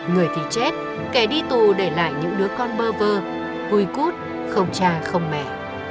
người thì chết kẻ đi tù để lại những đứa con bơ vơ hùi cút không cha không mẹ